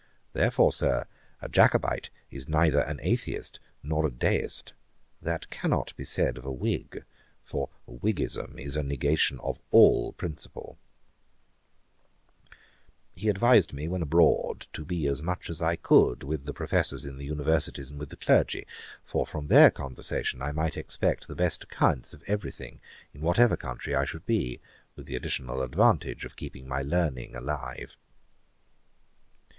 Therefore, Sir, a Jacobite is neither an Atheist nor a Deist. That cannot be said of a Whig; for Whiggism is a negation of all principle.' He advised me, when abroad, to be as much as I could with the Professors in the Universities, and with the Clergy; for from their conversation I might expect the best accounts of every thing in whatever country I should be, with the additional advantage of keeping my learning alive.